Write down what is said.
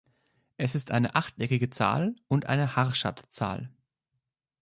Es ist eine achteckige Zahl und eine Harshad-Zahl.